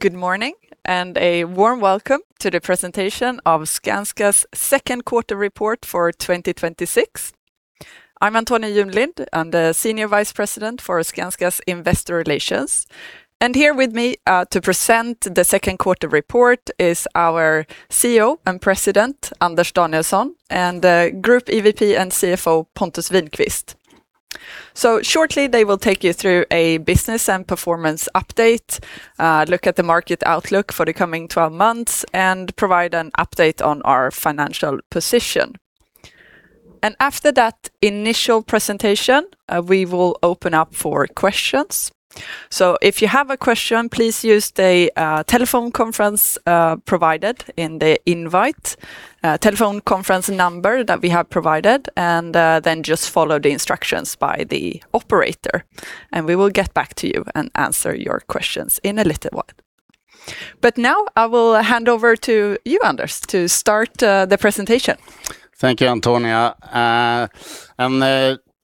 Good morning, a warm welcome to the presentation of Skanska's second quarter report for 2026. I'm Antonia Junelind. I'm the Senior Vice President for Skanska's Investor Relations. Here with me to present the second quarter report is our Chief Executive Officer and President, Anders Danielsson, and Group Executive Vice President and Chief Financial Officer, Pontus Winqvist. Shortly, they will take you through a business and performance update, look at the market outlook for the coming 12 months, and provide an update on our financial position. After that initial presentation, we will open up for questions. If you have a question, please use the telephone conference provided in the invite. Telephone conference number that we have provided, just follow the instructions by the operator, we will get back to you and answer your questions in a little while. Now I will hand over to you, Anders, to start the presentation. Thank you, Antonia.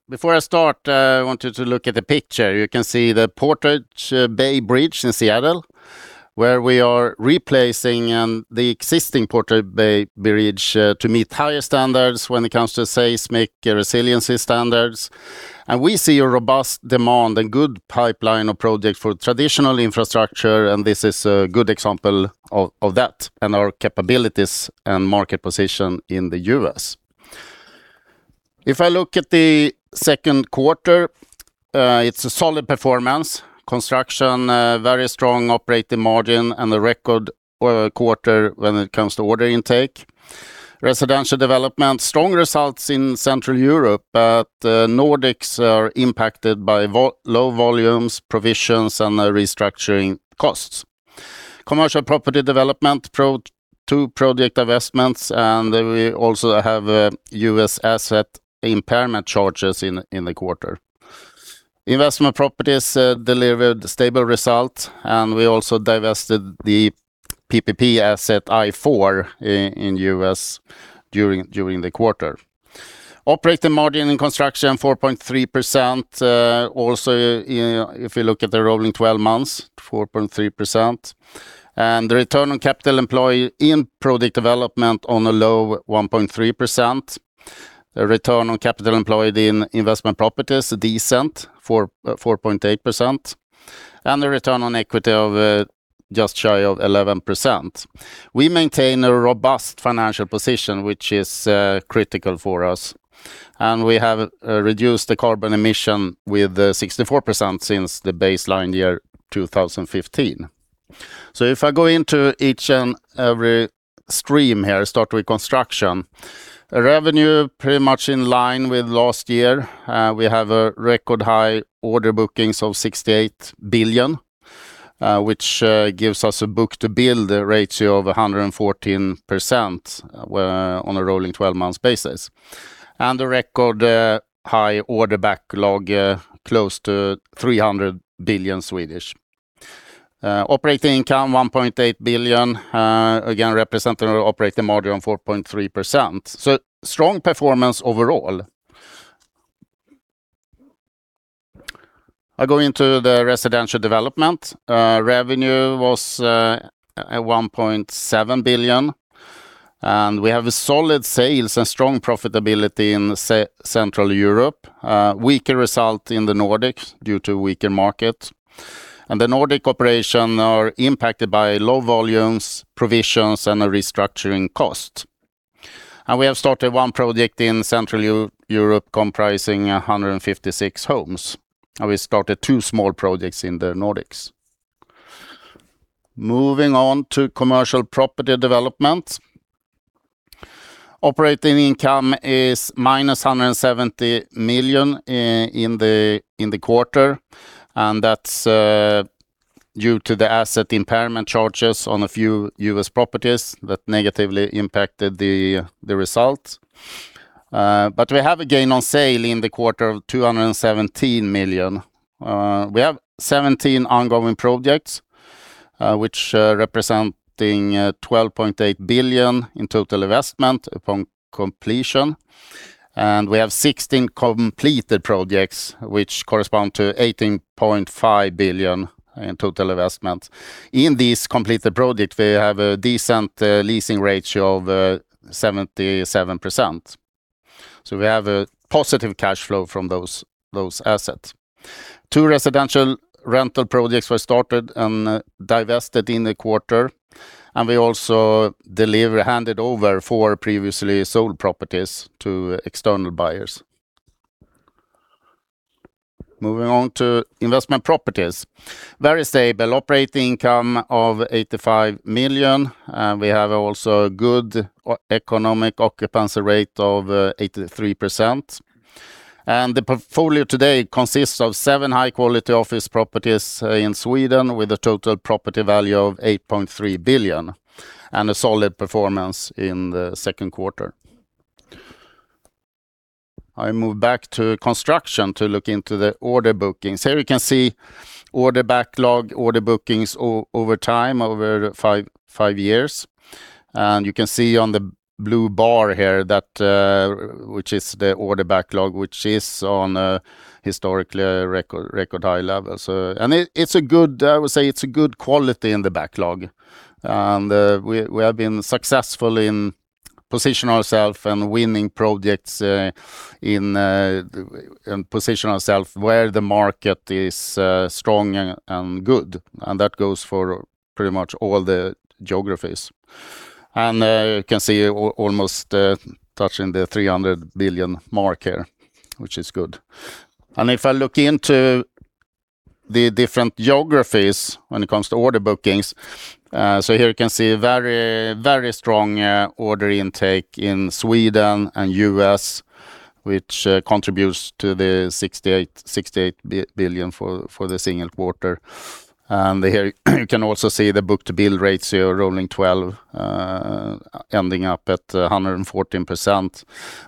Before I start, I want you to look at the picture. You can see the Portage Bay Bridge in Seattle, where we are replacing the existing Portage Bay Bridge to meet higher standards when it comes to seismic resiliency standards. We see a robust demand and good pipeline of projects for traditional infrastructure, this is a good example of that and our capabilities and market position in the U.S. If I look at the second quarter, it's a solid performance. Construction, very strong operating margin and a record quarter when it comes to order intake. Residential Development, strong results in Central Europe, Nordics are impacted by low volumes, provisions, and restructuring costs. Commercial Property Development, two project divestments, we also have U.S. asset impairment charges in the quarter. Investment Properties delivered stable result, we also divested the PPP asset I-4 in the U.S. during the quarter. Operating margin in Construction, 4.3%. If you look at the rolling 12 months, 4.3%. The return on capital employed in Project Development on a low 1.3%. The return on capital employed in Investment Properties, a decent 4.8%. The return on equity of just shy of 11%. We maintain a robust financial position, which is critical for us. We have reduced the carbon emission with 64% since the baseline year 2015. If I go into each and every stream here, start with Construction. Revenue pretty much in line with last year. We have a record high order bookings of 68 billion, which gives us a book-to-bill ratio of 114% on a rolling 12-month basis. A record high order backlog, close to 300 billion Swedish. Operating income 1.8 billion, again, representing our operating margin of 4.3%. Strong performance overall. I go into the Residential Development. Revenue was at 1.7 billion. We have solid sales and strong profitability in Central Europe. A weaker result in the Nordics due to weaker market. The Nordic operation are impacted by low volumes, provisions, and a restructuring cost. We have started one project in Central Europe comprising 156 homes, and we started two small projects in the Nordics. Moving on to Commercial Property Development. Operating income is -170 million in the quarter, and that's due to the asset impairment charges on a few U.S. properties that negatively impacted the result. We have a gain on sale in the quarter of 217 million. We have 17 ongoing projects, which representing 12.8 billion in total investment upon completion. We have 16 completed projects, which correspond to 18.5 billion in total investment. In these completed projects, we have a decent leasing ratio of 77%. We have a positive cash flow from those assets. Two residential rental projects were started and divested in the quarter, and we also handed over four previously sold properties to external buyers. Moving on to Investment Properties. Very stable operating income of 85 million. We have also a good economic occupancy rate of 83%. The portfolio today consists of seven high-quality office properties in Sweden, with a total property value of 8.3 billion and a solid performance in the second quarter. I move back to Construction to look into the order bookings. Here we can see order backlog, order bookings over time, over five years. You can see on the blue bar here, which is the order backlog, which is on a historically record-high level. I would say it's a good quality in the backlog. We have been successful in position ourselves and winning projects and position ourselves where the market is strong and good. That goes for pretty much all the geographies. You can see almost touching the 300 billion mark here, which is good. If I look into the different geographies when it comes to order bookings, here you can see very strong order intake in Sweden and U.S., which contributes to the 68 billion for the single quarter. Here, you can also see the book-to-bill ratio rolling 12, ending up at 114%,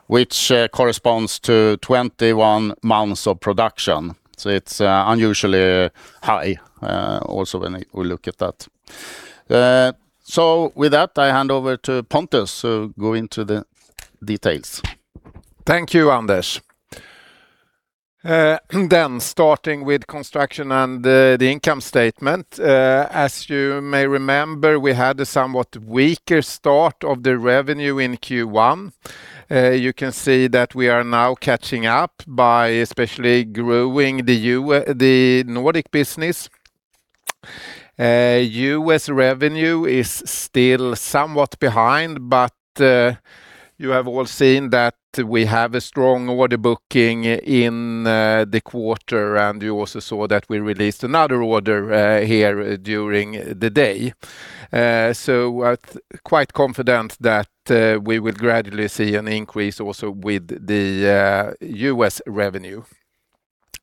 which corresponds to 21 months of production. It's unusually high also when we look at that. With that, I hand over to Pontus, who go into the details. Thank you, Anders. Starting with Construction and the income statement. As you may remember, we had a somewhat weaker start of the revenue in Q1. You can see that we are now catching up by especially growing the Nordic business. U.S. revenue is still somewhat behind, but you have all seen that we have a strong order booking in the quarter, and you also saw that we released another order here during the day. Quite confident that we will gradually see an increase also with the U.S. revenue.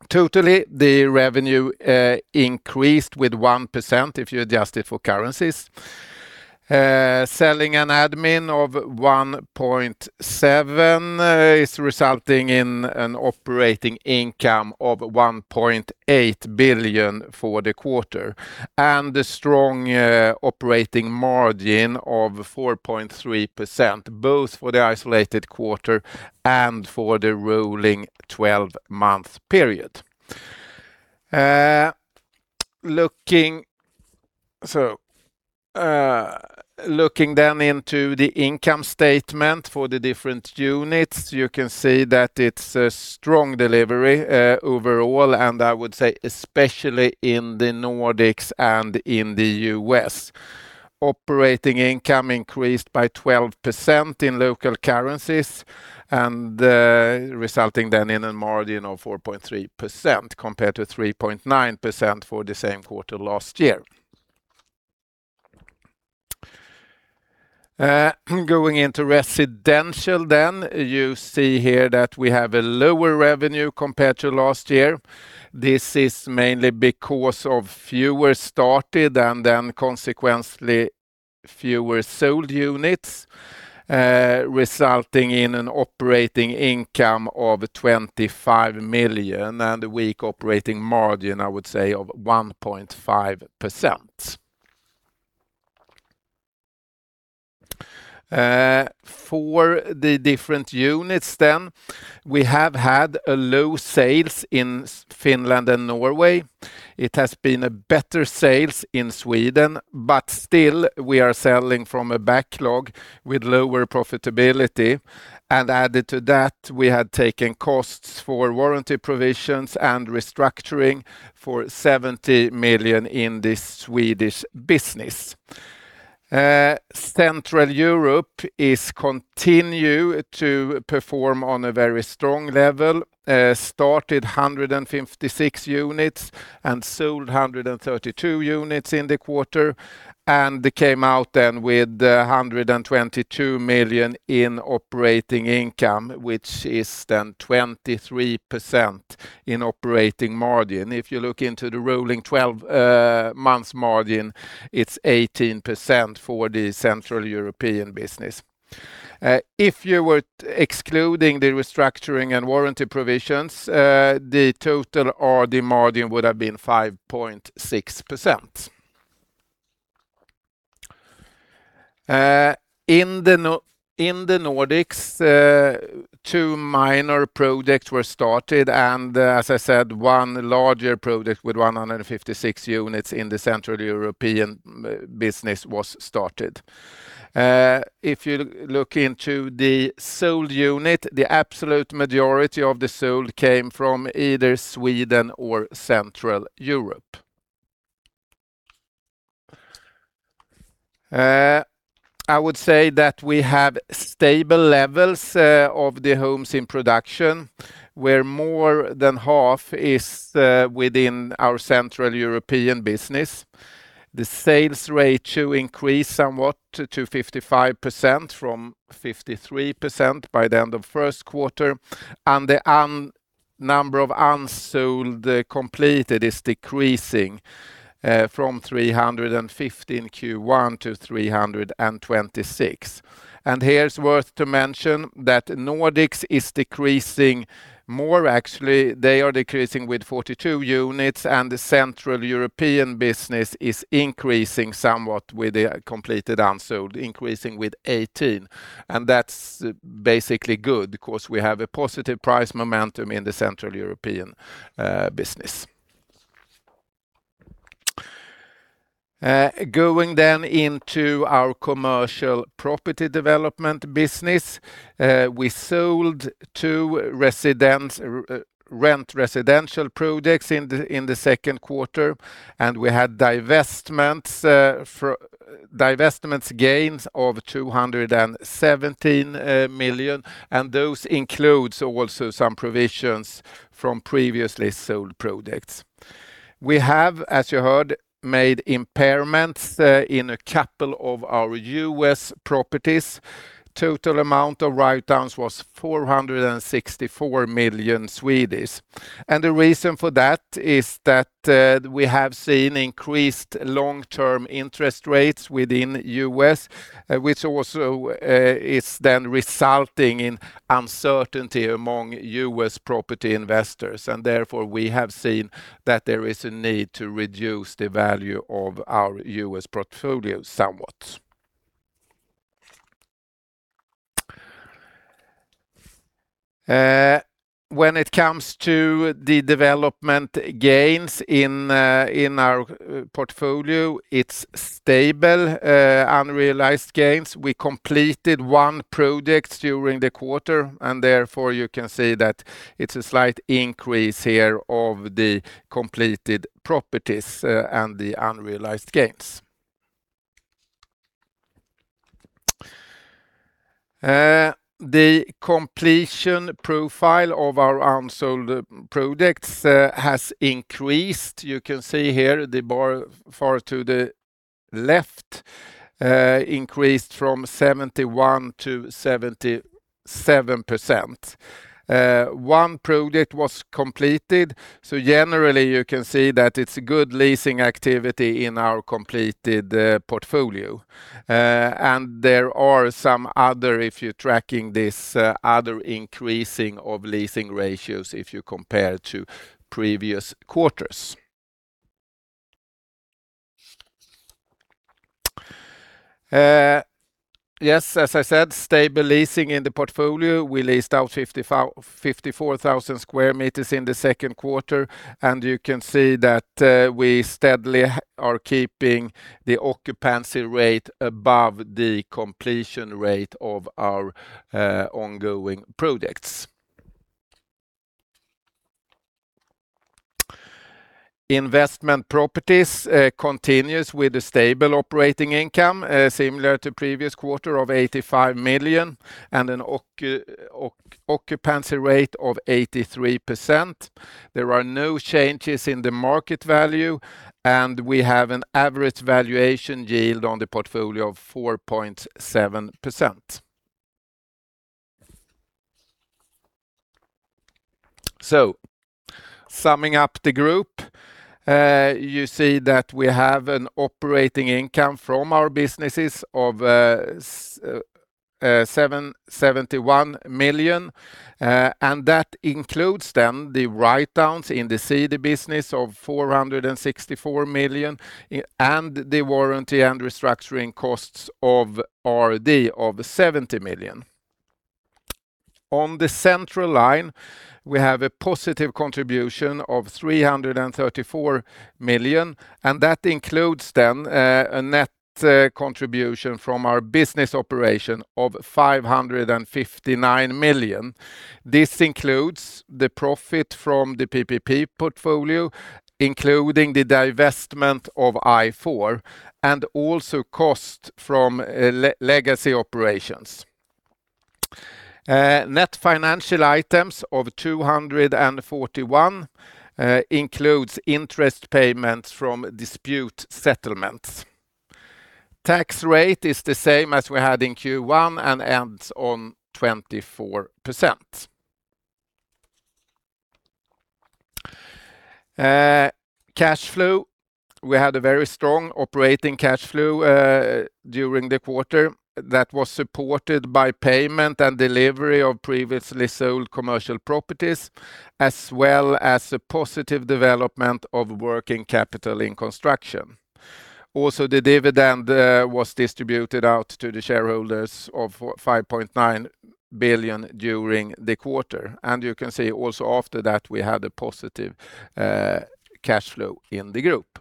Totally, the revenue increased with 1%, if you adjust it for currencies. Selling and admin of 1.7 is resulting in an operating income of 1.8 billion for the quarter. A strong operating margin of 4.3%, both for the isolated quarter and for the rolling 12-month period. Looking into the income statement for the different units, you can see that it's a strong delivery overall, and I would say especially in the Nordics and in the U.S. Operating income increased by 12% in local currencies, resulting in a margin of 4.3%, compared to 3.9% for the same quarter last year. Going into Residential Development, you see here that we have a lower revenue compared to last year. This is mainly because of fewer started and consequently fewer sold units, resulting in an operating income of 25 million and a weak operating margin, I would say, of 1.5%. For the different units, we have had a low sales in Finland and Norway. It has been a better sales in Sweden, but still, we are selling from a backlog with lower profitability. Added to that, we had taken costs for warranty provisions and restructuring for 70 million in the Swedish business. Central Europe continues to perform on a very strong level. Started 156 units and sold 132 units in the quarter, they came out with 122 million in operating income, which is 23% in operating margin. If you look into the rolling 12 months margin, it's 18% for the Central European business. If you were excluding the restructuring and warranty provisions, the total RD margin would have been 5.6%. In the Nordics, two minor projects were started, and as I said, one larger project with 156 units in the Central European business was started. If you look into the sold units, the absolute majority of the sold came from either Sweden or Central Europe. I would say that we have stable levels of the homes in production, where more than half is within our Central European business. The sales ratio increased somewhat to 55% from 53% by the end of first quarter. The number of unsold completed is decreasing from 315 in Q1 to 326. Here it's worth to mention that Nordics is decreasing more, actually. They are decreasing with 42 units, and the Central European business is increasing somewhat with the completed unsold, increasing with 18 units. That's basically good because we have a positive price momentum in the Central European business. Going into our Commercial Property Development business. We sold two rent residential projects in the second quarter, we had divestment gains of 217 million. Those include also some provisions from previously sold projects. We have, as you heard, made impairments in a couple of our U.S. properties. Total amount of writedowns was 464 million. The reason for that is that we have seen increased long-term interest rates within U.S., which also is then resulting in uncertainty among U.S. property investors. Therefore, we have seen that there is a need to reduce the value of our U.S. portfolio somewhat. When it comes to the development gains in our portfolio, it's stable unrealized gains. We completed one project during the quarter, and therefore you can see that it's a slight increase here of the completed properties and the unrealized gains. The completion profile of our unsold projects has increased. You can see here the bar far to the left increased from 71% to 77%. One project was completed. Generally, you can see that it's good leasing activity in our completed portfolio. There are some other, if you're tracking this, other increasing of leasing ratios if you compare to previous quarters. As I said, stable leasing in the portfolio. We leased out 54,000 sqm in the second quarter, and you can see that we steadily are keeping the occupancy rate above the completion rate of our ongoing projects. Investment Properties continues with a stable operating income, similar to previous quarter of 85 million and an occupancy rate of 83%. There are no changes in the market value, and we have an average valuation yield on the portfolio of 4.7%. Summing up the group, you see that we have an operating income from our businesses of 771 million, and that includes then the writedowns in the CD business of 464 million and the warranty and restructuring costs of RD of 70 million. On the central line, we have a positive contribution of 334 million, and that includes then a net contribution from our business operation of 559 million. This includes the profit from the PPP portfolio, including the divestment of I-4, and also cost from legacy operations. Net financial items of 241 million includes interest payments from dispute settlements. Tax rate is the same as we had in Q1 and ends on 24%. Cash flow. We had a very strong operating cash flow during the quarter that was supported by payment and delivery of previously sold commercial properties, as well as the positive development of working capital in Construction. The dividend was distributed out to the shareholders of 5.9 billion during the quarter. You can see also after that, we had a positive cash flow in the group.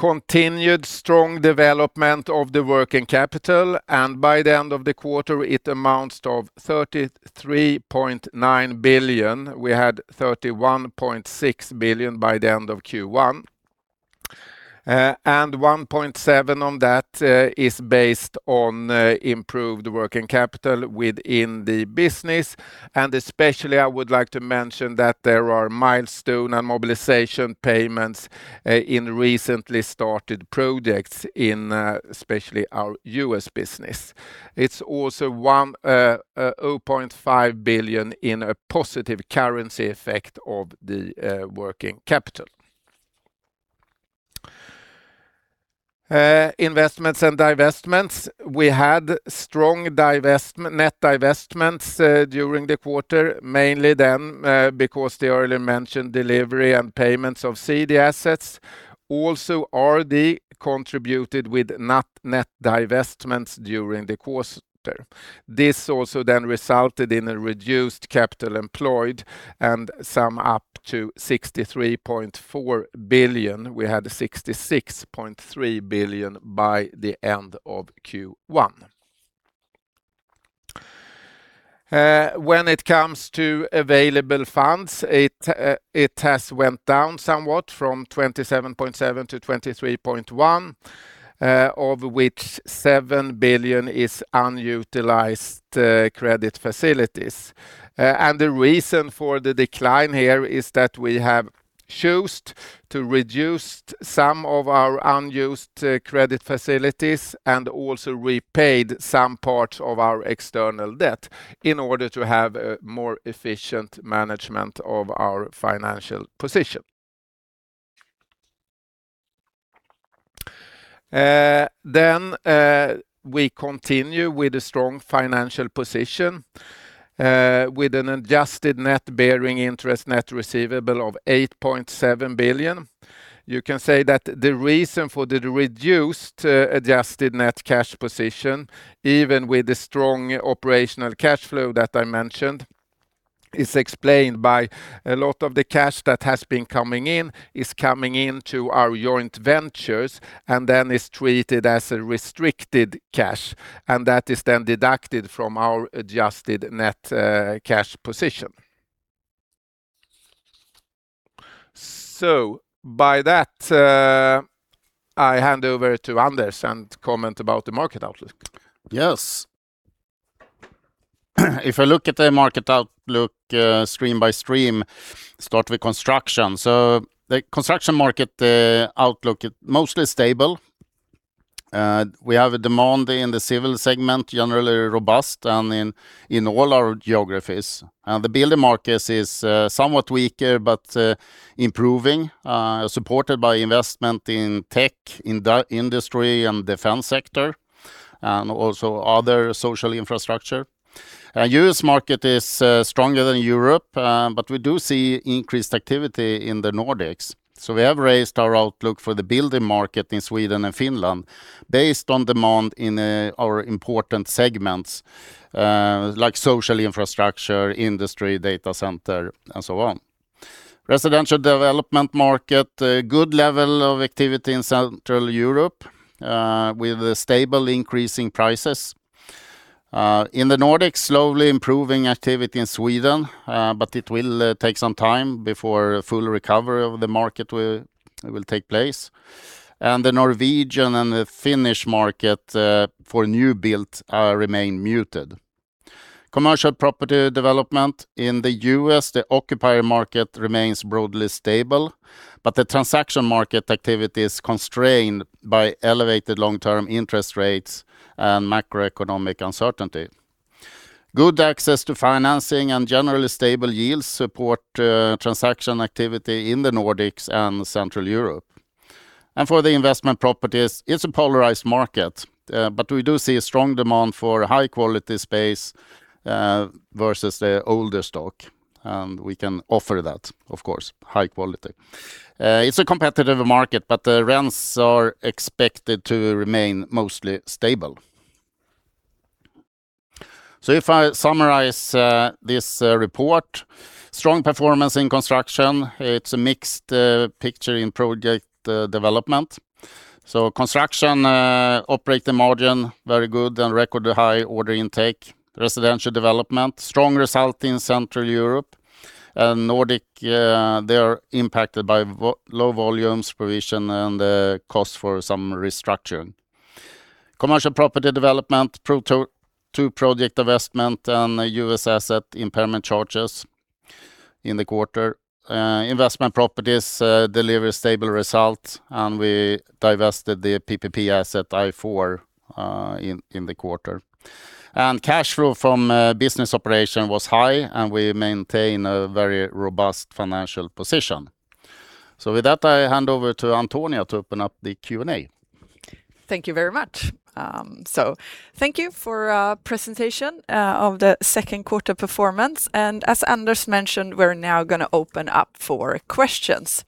Continued strong development of the working capital, and by the end of the quarter, it amounts to 33.9 billion. We had 31.6 billion by the end of Q1. 1.7 billion on that is based on improved working capital within the business. Especially, I would like to mention that there are milestone and mobilization payments in recently started projects in especially our U.S. business. 0.5 billion in a positive currency effect of the working capital. Investments and divestments. We had strong net divestments during the quarter, mainly then because the earlier mentioned delivery and payments of CD assets. RD contributed with net divestments during the quarter. This also resulted in a reduced capital employed and sum up to 63.4 billion. We had 66.3 billion by the end of Q1. When it comes to available funds, it has gone down somewhat from 27.7 to 23.1, of which 7 billion is unutilized credit facilities. The reason for the decline here is that we have chosen to reduce some of our unused credit facilities and also repaid some parts of our external debt in order to have a more efficient management of our financial position. We continue with a strong financial position with an adjusted net bearing interest net receivable of 8.7 billion. You can say that the reason for the reduced adjusted net cash position, even with the strong operational cash flow that I mentioned, is explained by a lot of the cash that has been coming in is coming into our joint ventures and then is treated as a restricted cash, and that is then deducted from our adjusted net cash position. By that, I hand over to Anders to comment about the market outlook. Yes. If I look at the market outlook stream by stream, start with Construction. The Construction market outlook is mostly stable. We have a demand in the civil segment, generally robust in all our geographies. The building market is somewhat weaker but improving, supported by investment in tech, industry, and defense sector, and also other social infrastructure. U.S. market is stronger than Europe, but we do see increased activity in the Nordics. We have raised our outlook for the building market in Sweden and Finland based on demand in our important segments like social infrastructure, industry, data center, and so on. Residential Development market, good level of activity in Central Europe, with stable increasing prices. In the Nordics, slowly improving activity in Sweden, but it will take some time before full recovery of the market will take place. The Norwegian and the Finnish market for new build remain muted. Commercial Property Development in the U.S., the occupier market remains broadly stable, but the transaction market activity is constrained by elevated long-term interest rates and macroeconomic uncertainty. Good access to financing and generally stable yields support transaction activity in the Nordics and Central Europe. For the Investment Properties, it's a polarized market. We do see a strong demand for high-quality space versus the older stock, and we can offer that, of course, high quality. It's a competitive market, but the rents are expected to remain mostly stable. If I summarize this report, strong performance in Construction. It's a mixed picture in Project Development. Construction operating margin, very good and record high order intake. Residential Development, strong result in Central Europe and Nordic, they are impacted by low volumes provision and cost for some restructuring. Commercial Property Development, two project investment and U.S. asset impairment charges in the quarter. Investment Properties deliver stable results, and we divested the PPP asset I-4 Ultimate in the quarter. Cash flow from business operation was high, and we maintain a very robust financial position. With that, I hand over to Antonia to open up the Q&A. Thank you very much. Thank you for presentation of the second quarter performance. As Anders mentioned, we're now going to open up for questions.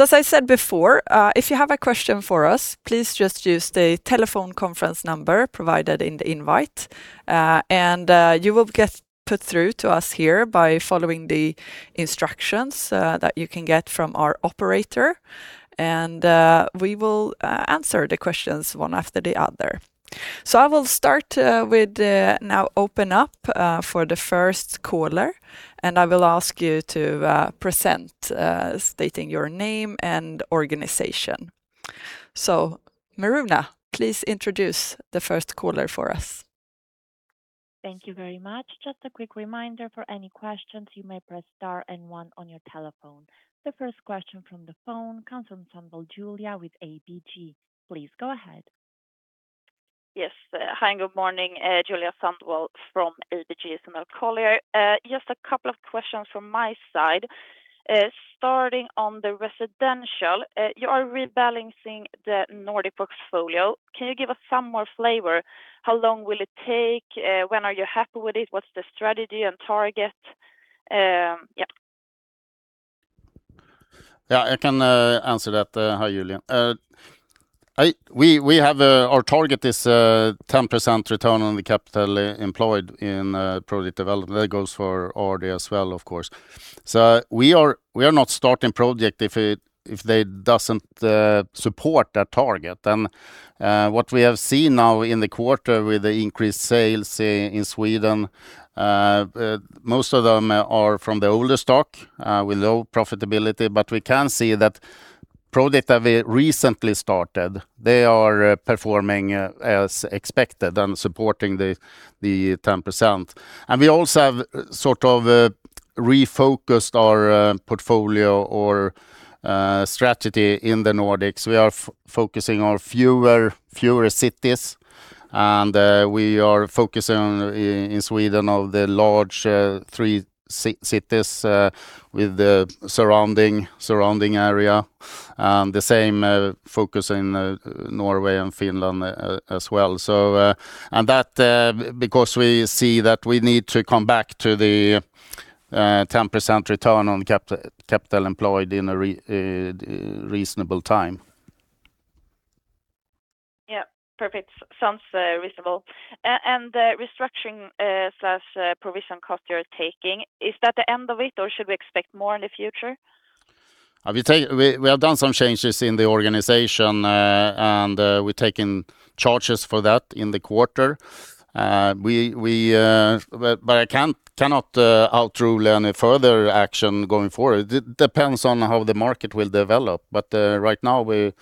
As I said before, if you have a question for us, please just use the telephone conference number provided in the invite. You will get put through to us here by following the instructions that you can get from our operator. We will answer the questions one after the other. I will start with now open up for the first caller, and I will ask you to present, stating your name and organization. Miruna, please introduce the first caller for us. Thank you very much. Just a quick reminder for any questions, you may press star 1 on your telephone. The first question from the phone comes from Julia with ABG. Please go ahead. Yes. Hi, and good morning. Julia Sundvall from ABG Sundal Collier. Just a couple of questions from my side. Starting on the Residential, you are rebalancing the Nordic portfolio. Can you give us some more flavor? How long will it take? When are you happy with it? What's the strategy and target? Yeah. Yeah, I can answer that. Hi, Julia. Our target is a 10% return on the capital employed in Project Development. That goes for RD as well, of course. We are not starting project if they doesn't support that target. What we have seen now in the quarter with the increased sales in Sweden, most of them are from the older stock, with low profitability. We can see that product that we recently started, they are performing as expected and supporting the 10%. We also have refocused our portfolio or strategy in the Nordics. We are focusing on fewer cities, and we are focusing in Sweden on the large three cities with the surrounding area. The same focus in Norway and Finland as well. That because we see that we need to come back to the 10% return on capital employed in a reasonable time. Yeah. Perfect. Sounds reasonable. The restructuring/provision cost you're taking, is that the end of it, or should we expect more in the future? We have done some changes in the organization, and we've taken charges for that in the quarter. I cannot outrule any further action going forward. It depends on how the market will develop. Right now, we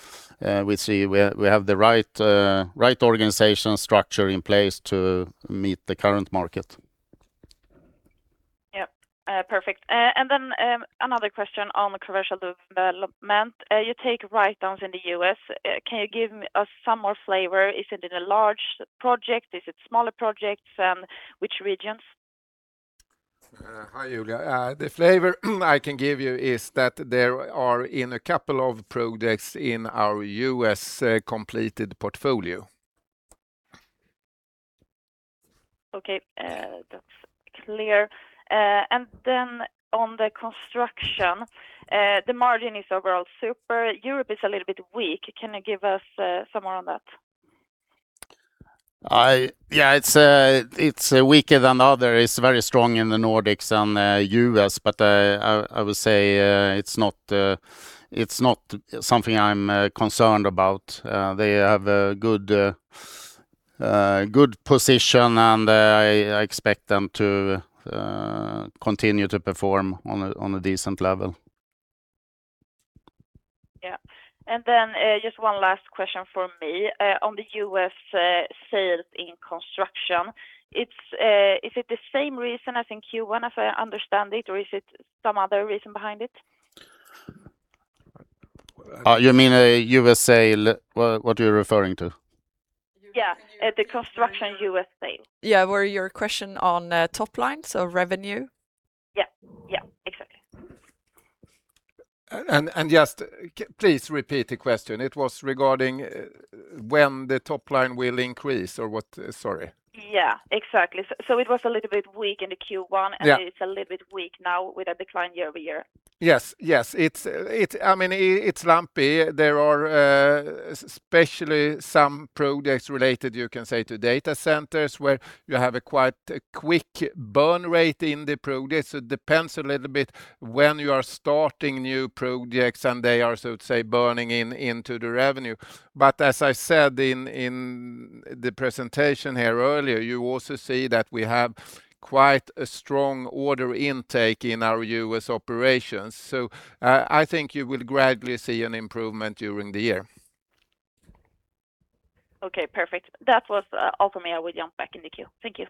see we have the right organization structure in place to meet the current market. Yeah. Perfect. Another question on Commercial Property Development. You take writedowns in the U.S. Can you give us some more flavor? Is it in a large project? Is it smaller projects? Which regions? Hi, Julia. The flavor I can give you is that there are in a couple of projects in our U.S. completed portfolio. Okay. That's clear. Then on the Construction, the margin is overall super. Europe is a little bit weak. Can you give us some more on that? Yeah, it's weaker than the other. It's very strong in the Nordics and U.S., but I would say it's not something I'm concerned about. They have a good position, and I expect them to continue to perform on a decent level. Yeah. Then, just one last question from me, on the U.S. sales in Construction. Is it the same reason as in Q1, if I understand it, or is it some other reason behind it? You mean a U.S. sale? What are you referring to? Yeah. The construction U.S. sale. Yeah. Were your question on top line, so revenue? Yeah, exactly. Just please repeat the question. It was regarding when the top line will increase or what? Sorry. Yeah, exactly. it was a little bit weak in the Q1, it's a little bit weak now with a decline year-over-year. Yes. It's lumpy. There are especially some projects related, you can say, to data centers, where you have a quite quick burn rate in the projects. It depends a little bit when you are starting new projects, and they are, so to say, burning into the revenue. As I said in the presentation here earlier, you also see that we have quite a strong order intake in our U.S. operations. I think you will gradually see an improvement during the year. Okay, perfect. That was all for me. I will jump back in the queue. Thank you.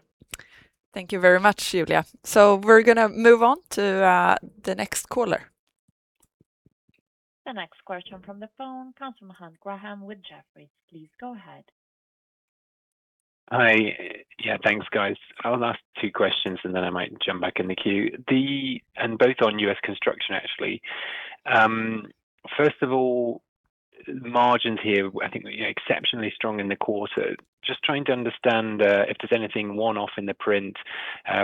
Thank you very much, Julia. We're going to move on to the next caller. The next question from the phone comes from Graham Hunt with Jefferies. Please go ahead. Hi. Yeah, thanks, guys. I'll ask two questions, and then I might jump back in the queue, and both on U.S. construction, actually. First of all, margins here, I think exceptionally strong in the quarter. Just trying to understand if there's anything one-off in the print.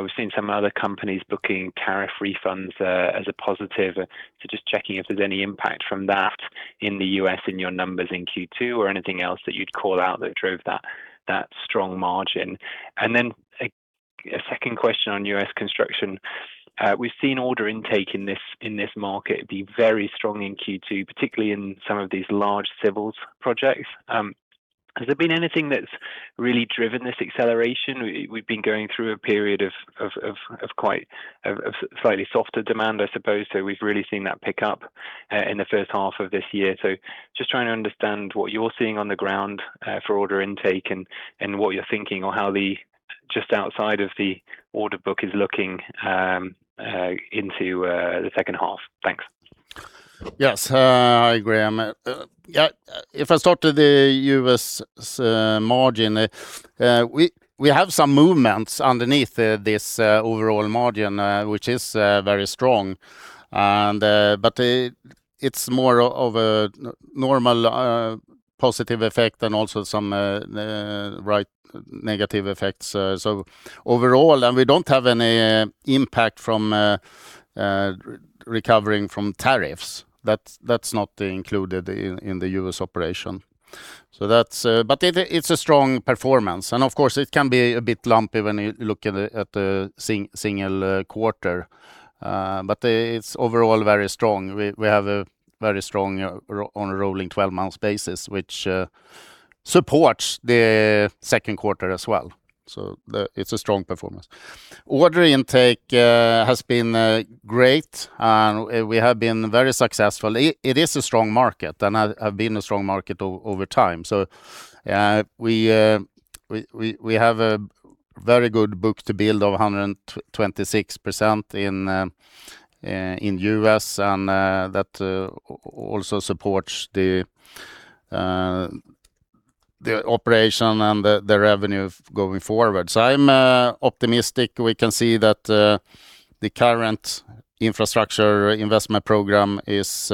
We've seen some other companies booking tariff refunds as a positive, so just checking if there's any impact from that in the U.S. in your numbers in Q2 or anything else that you'd call out that drove that strong margin. A second question on U.S. construction. We've seen order intake in this market be very strong in Q2, particularly in some of these large civils projects. Has there been anything that's really driven this acceleration? We've been going through a period of slightly softer demand, I suppose, so we've really seen that pick up in the first half of this year. Just trying to understand what you're seeing on the ground for order intake and what you're thinking or how just outside of the order book is looking into the second half. Thanks. Yes, I agree. If I start with the U.S. margin, we have some movements underneath this overall margin, which is very strong. It's more of a normal positive effect than also some negative effects. Overall, and we don't have any impact from recovering from tariffs. That's not included in the U.S. operation. It's a strong performance, and of course it can be a bit lumpy when you look at the single quarter. It's overall very strong. We have a very strong on a rolling 12 months basis, which supports the second quarter as well. It's a strong performance. Order intake has been great, and we have been very successful. It is a strong market and have been a strong market over time. We have a very good book-to-bill of 126% in U.S., and that also supports the operation and the revenue going forward. I'm optimistic. We can see that the current infrastructure investment program is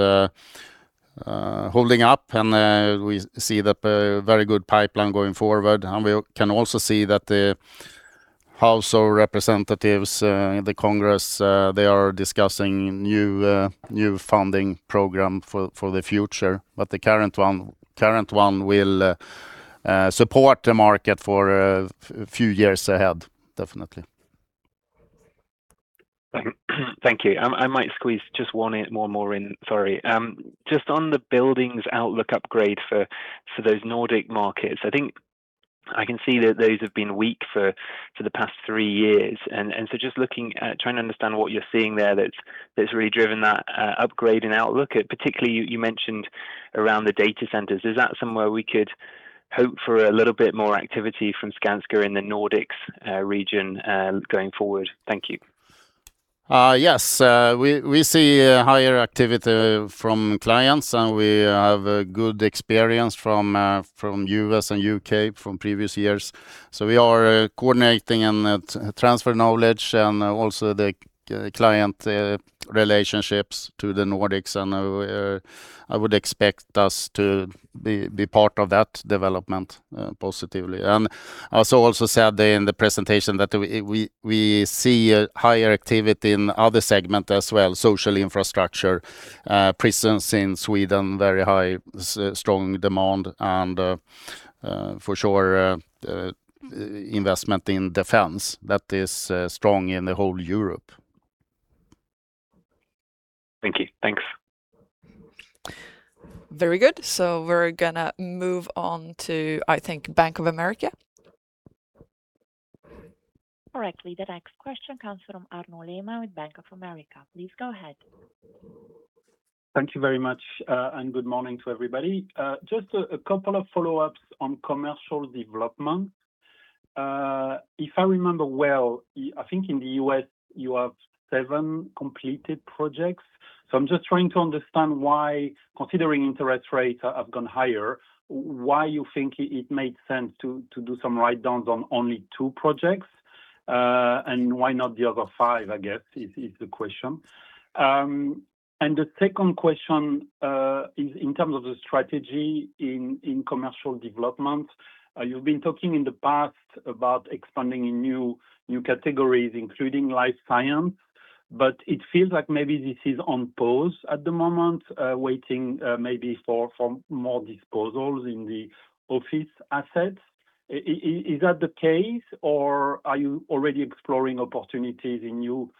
holding up, and we see that very good pipeline going forward. We can also see that the House of Representatives, the Congress, they are discussing new funding program for the future. The current one will support the market for a few years ahead. Definitely. Thank you. I might squeeze just one more in. Sorry. Just on the buildings outlook upgrade for those Nordic markets, I think I can see that those have been weak for the past three years, and just looking at trying to understand what you're seeing there that's really driven that upgrade and outlook. Particularly, you mentioned around the data centers. Is that somewhere we could hope for a little bit more activity from Skanska in the Nordics region, going forward? Thank you. Yes. We see higher activity from clients, and we have a good experience from U.S. and U.K. from previous years. We are coordinating and transfer knowledge and also the client relationships to the Nordics, and I would expect us to be part of that development, positively. I also said in the presentation that we see a higher activity in other segment as well, social infrastructure, prisons in Sweden, very high, strong demand and, for sure, investment in defense that is strong in the whole Europe. Thank you. Thanks. Very good. We're going to move on to, I think, Bank of America. Correctly. The next question comes from Arnaud Lehmann with Bank of America. Please go ahead. Thank you very much, and good morning to everybody. Just a couple of follow-ups on Commercial Development. If I remember well, I think in the U.S. you have seven completed projects. I'm just trying to understand why, considering interest rates have gone higher, why you think it made sense to do some writedowns on only two projects? Why not the other five, I guess, is the question. The second question is in terms of the strategy in Commercial Development. You've been talking in the past about expanding in new categories, including life science, but it feels like maybe this is on pause at the moment, waiting, maybe for more disposals in the office assets. Is that the case, or are you already exploring opportunities in new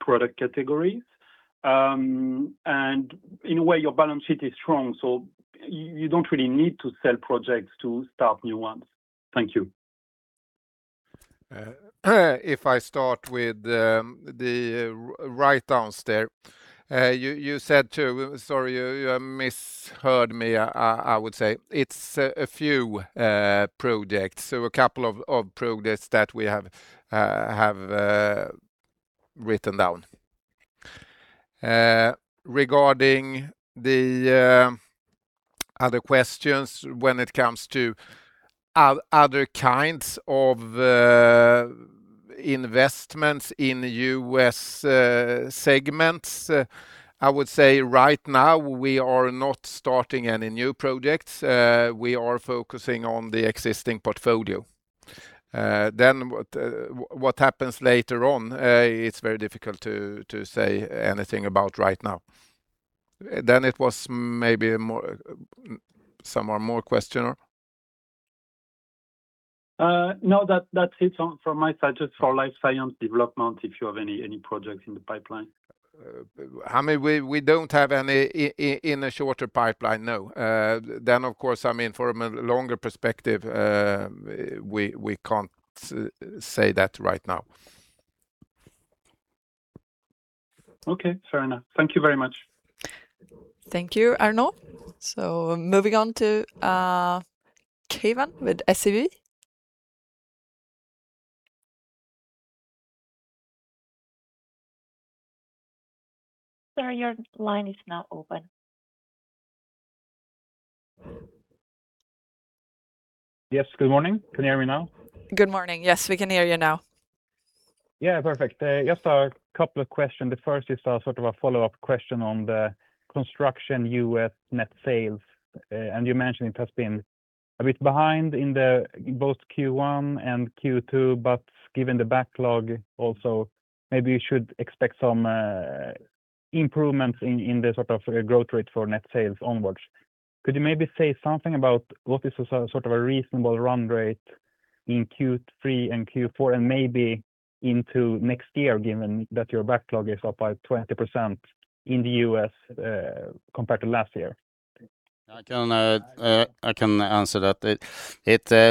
product categories? In a way, your balance sheet is strong, so you don't really need to sell projects to start new ones. Thank you. If I start with the writedowns there. You said two. Sorry, you misheard me, I would say. It's a few projects. A couple of projects that we have written down. Regarding the other questions when it comes to other kinds of investments in U.S. segments, I would say right now, we are not starting any new projects. We are focusing on the existing portfolio. What happens later on, it's very difficult to say anything about right now. It was maybe some more question? No, that's it from my side, just for life science development, if you have any projects in the pipeline. We don't have any in a shorter pipeline, no. Of course, for a longer perspective, we can't say that right now. Okay, fair enough. Thank you very much. Thank you, Arnaud. Moving on to Keivan with SEB Sir, your line is now open. Yes. Good morning. Can you hear me now? Good morning. Yes, we can hear you now. Yeah, perfect. Just a couple of questions. The first is sort of a follow-up question on the Construction U.S. net sales. You mentioned it has been a bit behind in both Q1 and Q2, but given the backlog also, maybe you should expect some improvements in the growth rate for net sales onwards. Could you maybe say something about what is a reasonable run rate in Q3 and Q4, and maybe into next year, given that your backlog is up by 20% in the U.S., compared to last year? I can answer that.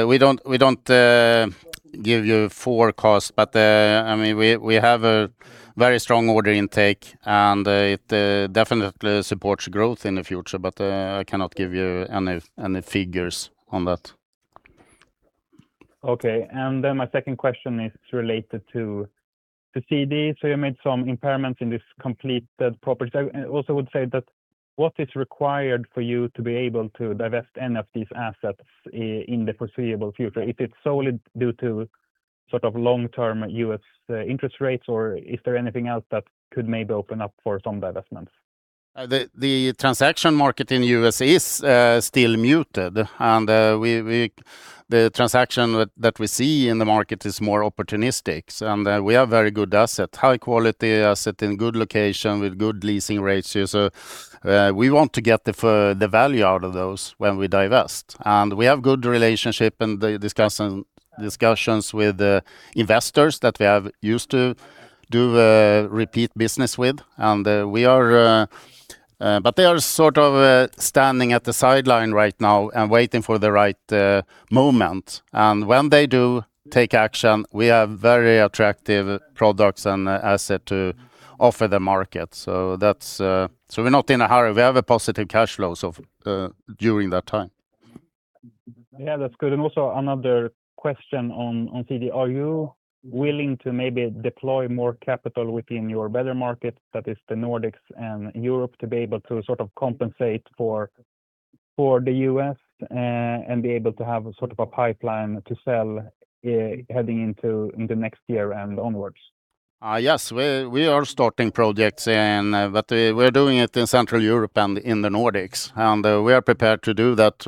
We don't give you forecasts, but we have a very strong order intake, and it definitely supports growth in the future. I cannot give you any figures on that. Then my second question is related to CD. You made some impairments in this completed property. I also would say that what is required for you to be able to divest any of these assets in the foreseeable future? Is it solely due to long-term U.S. interest rates, or is there anything else that could maybe open up for some divestments? The transaction market in the U.S. is still muted, the transaction that we see in the market is more opportunistic. We have very good assets, high-quality assets in good locations with good leasing rates too. We want to get the value out of those when we divest. We have good relationships and discussions with investors that we have used to do repeat business with. They are sort of standing at the sideline right now and waiting for the right moment. When they do take action, we have very attractive products and assets to offer the market. We're not in a hurry. We have positive cash flows during that time. Yeah, that's good. Also another question on CD. Are you willing to maybe deploy more capital within your better markets, that is the Nordics and Europe, to be able to compensate for the U.S., and be able to have a pipeline to sell heading into next year and onwards? Yes, we are starting projects, but we're doing it in Central Europe and in the Nordics. We are prepared to do that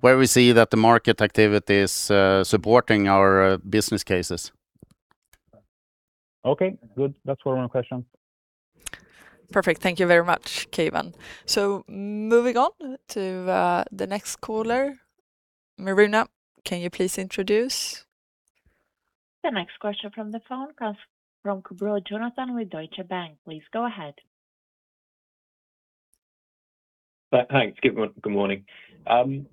where we see that the market activity is supporting our business cases. Okay, good. That's one question. Perfect. Thank you very much, Keivan. Moving on to the next caller. Miruna, can you please introduce? The next question from the phone comes from Jonathan Coubrough with Deutsche Bank. Please go ahead. Thanks. Good morning. Can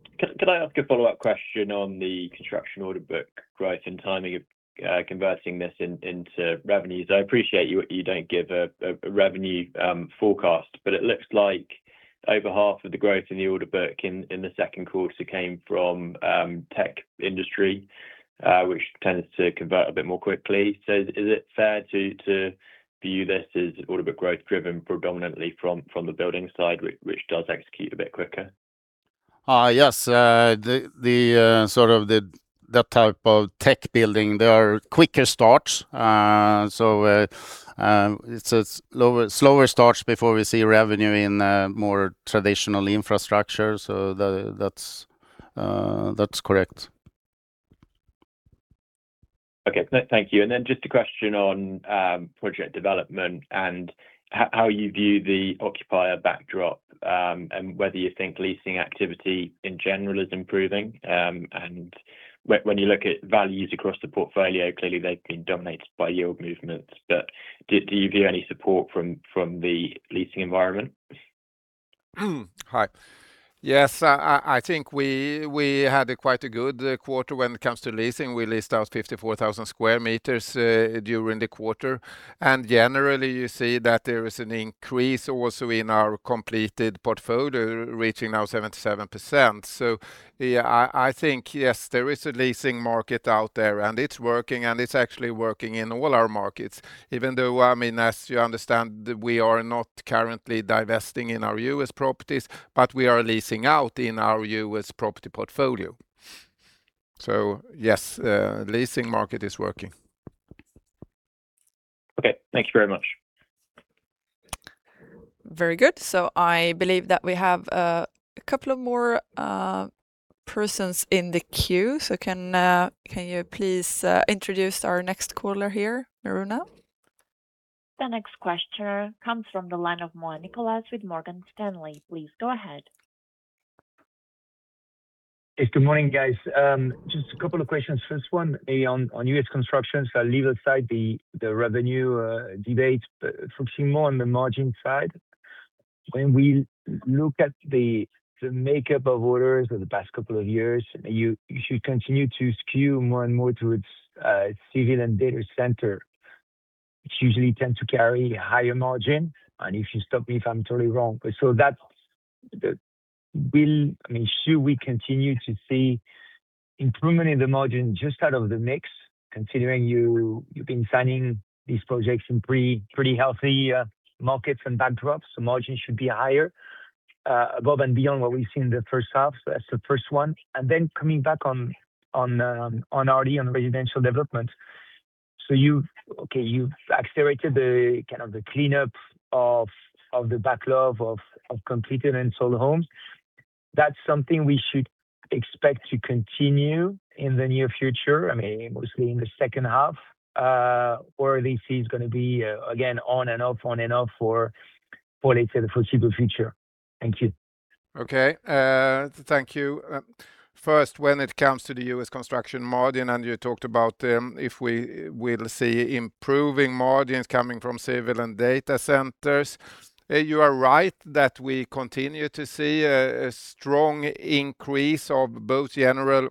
I ask a follow-up question on the construction order book growth and timing of converting this into revenues? I appreciate you don't give a revenue forecast. It looks like over half of the growth in the order book in the second quarter came from tech industry, which tends to convert a bit more quickly. Is it fair to view this as order book growth driven predominantly from the building side, which does execute a bit quicker? Yes. That type of tech building, they are quicker starts. It's slower starts before we see revenue in more traditional infrastructure. That's correct. Okay. Thank you. Just a question on Project Development and how you view the occupier backdrop, and whether you think leasing activity in general is improving. When you look at values across the portfolio, clearly they've been dominated by yield movements. Do you view any support from the leasing environment? Hi. Yes, I think we had quite a good quarter when it comes to leasing. We leased out 54,000 sqm during the quarter. Generally, you see that there is an increase also in our completed portfolio, reaching now 77%. I think yes, there is a leasing market out there, and it's working, and it's actually working in all our markets. Even though, as you understand, we are not currently divesting in our U.S. properties, but we are leasing out in our U.S. property portfolio. Yes, the leasing market is working. Okay. Thank you very much. Very good. I believe that we have a couple more persons in the queue. Can you please introduce our next caller here, Miruna? The next question comes from the line of Nicolas Mora with Morgan Stanley. Please go ahead. Yes. Good morning, guys. Just a couple of questions. First one on U.S. Construction. I'll leave aside the revenue debates, but focusing more on the margin side. When we look at the makeup of orders over the past couple of years, you should continue to skew more and more towards civil and data center. It usually tends to carry a higher margin. You should stop me if I'm totally wrong. Should we continue to see improvement in the margin just out of the mix, considering you've been signing these projects in pretty healthy markets and backdrops, margins should be higher above and beyond what we see in the first half. That's the first one. Coming back on RD, on Residential Development. You've accelerated the cleanup of the backlog of completed and sold homes. That's something we should expect to continue in the near future, mostly in the second half, this is going to be, again, on and off for the foreseeable future. Thank you. Okay. Thank you. First, when it comes to the U.S. Construction margin, you talked about if we will see improving margins coming from civil and data centers. You are right that we continue to see a strong increase of both general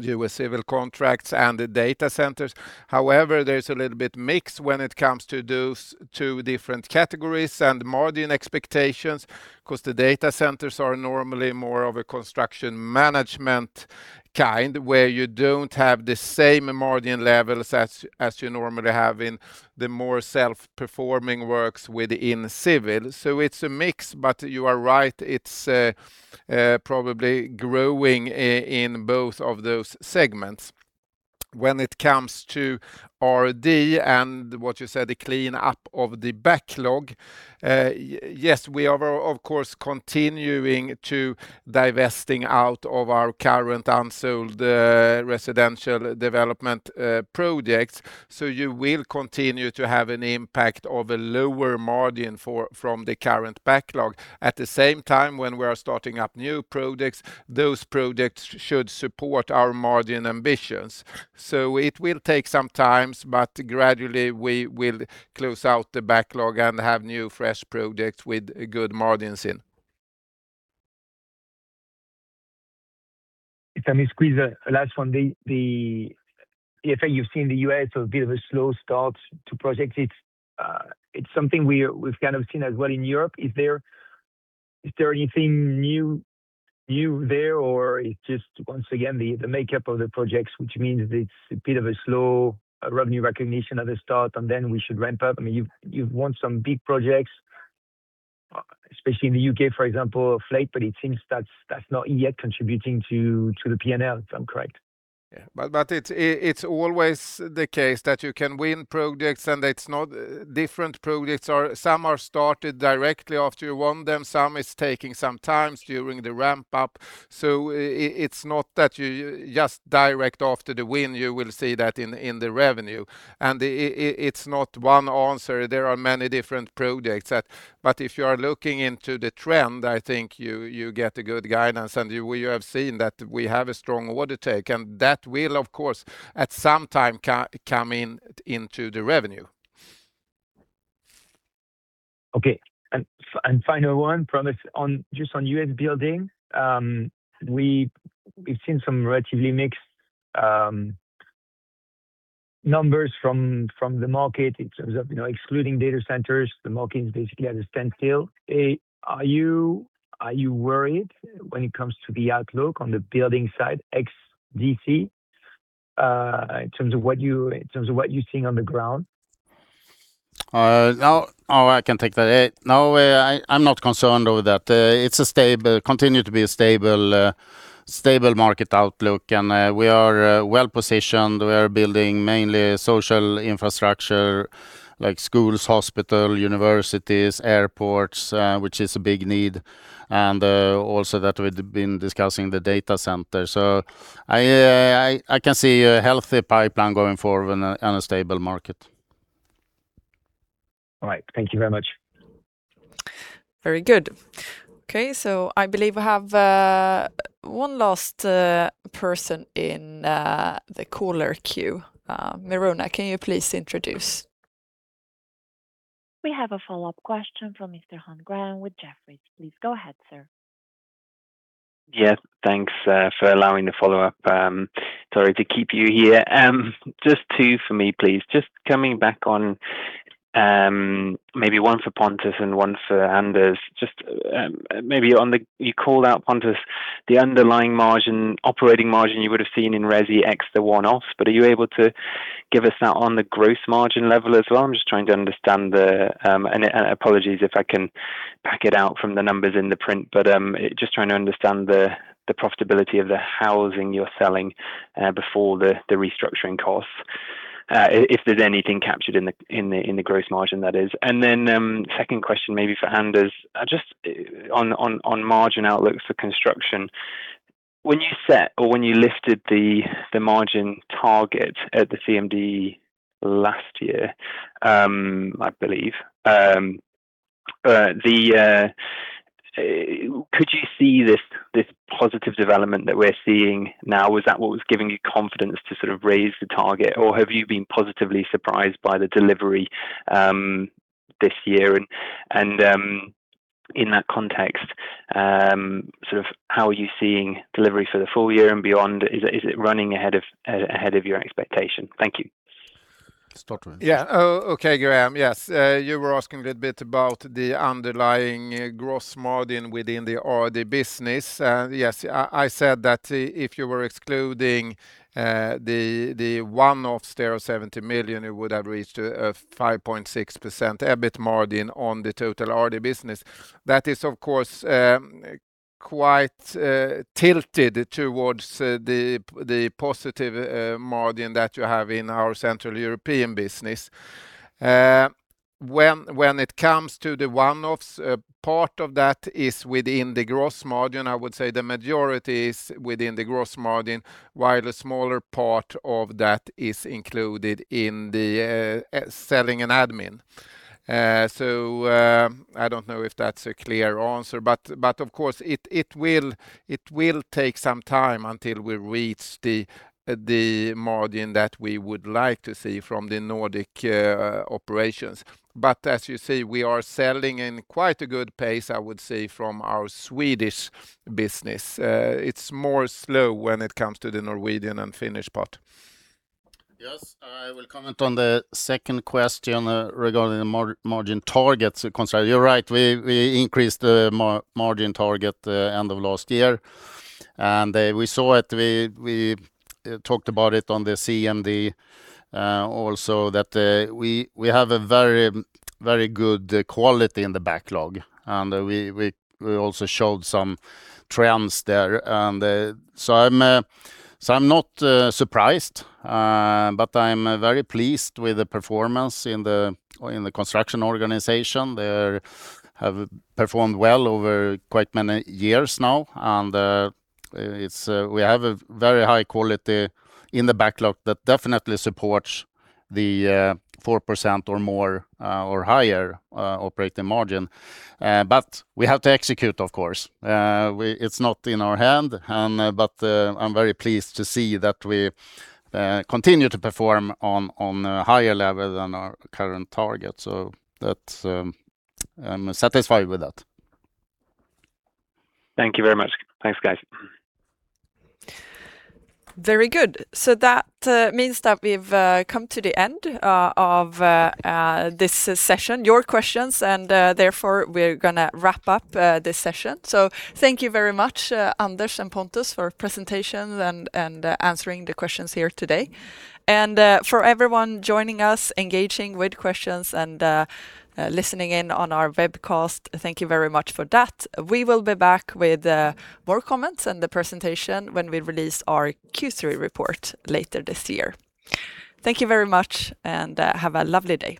U.S. civil contracts and the data centers. However, there is a little bit mix when it comes to those two different categories and margin expectations, because the data centers are normally more of a construction management kind, where you don't have the same margin levels as you normally have in the more self-performing works within civil. It's a mix, but you are right, it's probably growing in both of those segments. When it comes to RD and what you said, the cleanup of the backlog, yes, we are, of course, continuing to divesting out of our current unsold Residential Development projects. You will continue to have an impact of a lower margin from the current backlog. At the same time, when we are starting up new projects, those projects should support our margin ambitions. It will take some time, but gradually we will close out the backlog and have new, fresh projects with good margins in. If I may squeeze a last one. The effect you've seen in the U.S., a bit of a slow start to projects. It's something we've kind of seen as well in Europe. Is there anything new there, or it's just, once again, the makeup of the projects, which means it's a bit of a slow revenue recognition at the start, and then we should ramp up? You've won some big projects, especially in the U.K., for example, Fleet, but it seems that's not yet contributing to the P&L, if I'm correct. Yeah. It's always the case that you can win projects, and different projects, some are started directly after you won them. Some is taking some time during the ramp-up. It's not that just direct after the win, you will see that in the revenue. It's not one answer. There are many different projects. If you are looking into the trend, I think you get a good guidance, and you have seen that we have a strong order take, and that will, of course, at some time, come into the revenue. Okay. Final one, promise. Just on U.S. building. We've seen some relatively mixed numbers from the market in terms of excluding data centers. The market is basically at a standstill. Are you worried when it comes to the outlook on the building side, ex D.C., in terms of what you're seeing on the ground? I can take that. No, I'm not concerned over that. It continue to be a stable market outlook, we are well-positioned. We are building mainly social infrastructure, like schools, hospital, universities, airports, which is a big need. Also that we've been discussing the data center. I can see a healthy pipeline going forward and a stable market. All right. Thank you very much. Very good. Okay, I believe I have one last person in the caller queue. Miruna, can you please introduce? We have a follow-up question from Mr. Graham Hunt with Jefferies. Please go ahead, sir. Yeah. Thanks for allowing the follow-up. Sorry to keep you here. Just two for me, please. Just coming back on, maybe one for Pontus and one for Anders. You called out, Pontus, the underlying margin, operating margin you would have seen in resi ex the one-off. Are you able to give us that on the gross margin level as well? I'm just trying to understand the profitability of the housing you're selling before the restructuring costs. If there's anything captured in the gross margin, that is. Second question, maybe for Anders, just on margin outlooks for Construction. When you set or when you lifted the margin target at the CMD last year, I believe, could you see this positive development that we're seeing now? Was that what was giving you confidence to sort of raise the target, or have you been positively surprised by the delivery this year? In that context, how are you seeing delivery for the full year and beyond? Is it running ahead of your expectation? Thank you. Start with me. Okay, Graham. Yes. You were asking a little bit about the underlying gross margin within the RD business. I said that if you were excluding the one-off Stena 70 million, it would have reached a 5.6% EBIT margin on the total RD business. That is, of course, quite tilted towards the positive margin that you have in our Central European business. When it comes to the one-offs, part of that is within the gross margin. I would say the majority is within the gross margin, while a smaller part of that is included in the selling and admin. I don't know if that's a clear answer, but of course, it will take some time until we reach the margin that we would like to see from the Nordic operations. As you see, we are selling in quite a good pace, I would say, from our Swedish business. It's more slow when it comes to the Norwegian and Finnish part. I will comment on the second question regarding the margin targets. You're right, we increased the margin target end of last year. We saw it, we talked about it on the CMD, also, that we have a very good quality in the backlog. We also showed some trends there. I'm not surprised, but I'm very pleased with the performance in the Construction organization. They have performed well over quite many years now, and we have a very high quality in the backlog that definitely supports the 4% or more, or higher operating margin. We have to execute, of course. It's not in our hand, but I'm very pleased to see that we continue to perform on a higher level than our current target. I'm satisfied with that. Thank you very much. Thanks, guys. Very good. That means that we've come to the end of this session, your questions, and therefore we're going to wrap up this session. Thank you very much, Anders and Pontus, for presentations and answering the questions here today. For everyone joining us, engaging with questions and listening in on our webcast, thank you very much for that. We will be back with more comments and the presentation when we release our Q3 report later this year. Thank you very much, and have a lovely day.